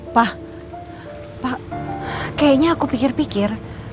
pak kayaknya aku pikir pikir